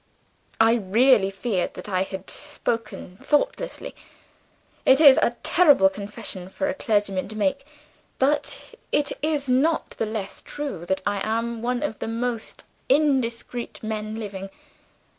"I really feared that I had spoken thoughtlessly. It is a terrible confession for a clergyman to make but it is not the less true that I am one of the most indiscreet men living.